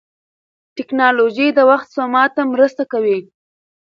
ټکنالوژي د وخت سپما ته مرسته کوي.